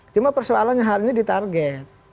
cuma persoalannya hari ini ditarget